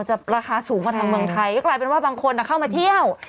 ราคาสูงกว่าทางเมืองไทยก็กลายเป็นว่าบางคนเข้ามาเที่ยว